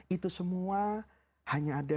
itu semua hanya ada